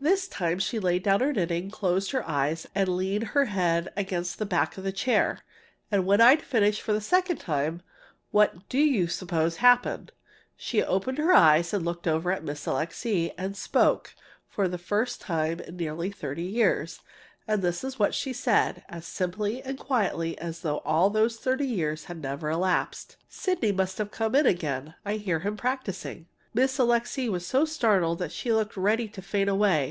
This time she laid down her knitting, closed her eyes, and leaned her head against the back of the chair. And when I'd finished for the second time, what do you suppose happened? She opened her eyes, looked over at Miss Alixe, and spoke, for the first time in nearly thirty years! And this is what she said, as simply and quietly as though all those thirty years had never elapsed: [Illustration: "Sydney must have come in again; I hear him practising!"] "Sydney must have come in again; I hear him practising!" Miss Alixe was so startled she looked ready to faint away.